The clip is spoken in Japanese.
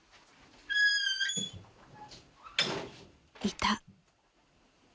［いた］